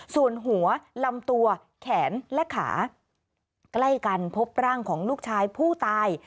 ส่วนหัวลำตัวแขนและขาใกล้กันพบร่างของลูกชายผู้ตาย